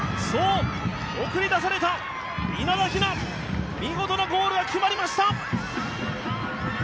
そう送り出された稲田雛、見事なゴールが決まりました！